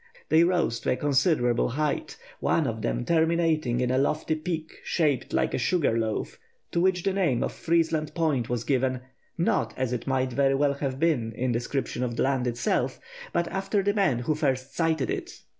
They rose to a considerable height, one of them terminating in a lofty peak shaped like a sugar loaf, to which the name of Freezeland Point was given, not, as it might very well have been, in description of the land itself, but after the man who first sighted it.